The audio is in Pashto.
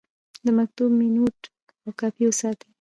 د مکتوب مینوټ او کاپي وساتئ.